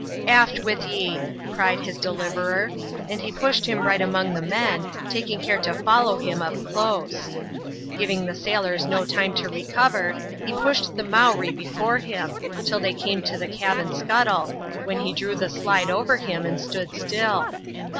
" Aft with ye !" cried his deliverer ; and he pushed him right among the men, taking care to follow him up close. Giving the sailors no time to recover, he pushed the Mowree before him, till they came to the cabin scuttle, when he drew the slide over him, and stood still.